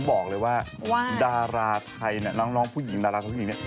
ผมบอกเลยว่าดาราใครนั้นนางน้องผู้หญิงดาราพวงหญิงนี่